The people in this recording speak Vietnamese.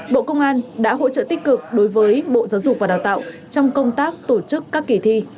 bộ công an đã hỗ trợ tích cực đối với bộ giáo dục và đào tạo trong công tác tổ chức các kỳ thi